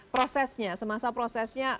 prosesnya semasa prosesnya